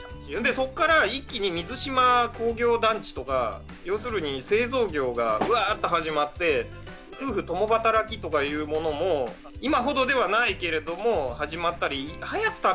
そこから一気に水島工業団地とか要するに製造業がわっと始まって夫婦共働きとかいうものも今ほどではないけれども始まったり早く食べなきゃいけなくなる。